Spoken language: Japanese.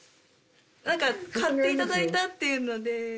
何か買って頂いたっていうので。